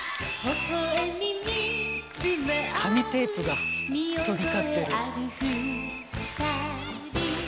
紙テープが飛び交ってる。